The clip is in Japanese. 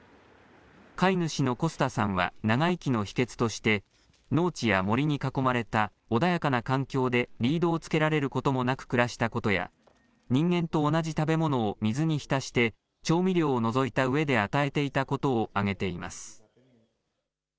飼い主のコスタさんは、長生きの秘けつとして、農地や森に囲まれた穏やかな環境で、リードをつけられることもなく暮らしたことや、人間と同じ食べ物を水に浸して調味料を除いたうえで与えていたことを挙げています。